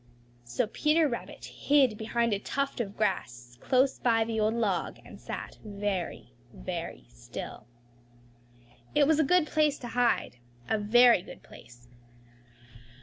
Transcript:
So Peter Rabbit hid behind a tuft of grass close by the old log and sat very, very still. It was a very good place to hide, a very good place.